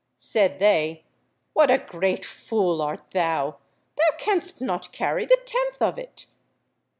Said they— "What a great fool art thou. Thou canst not carry the tenth of it."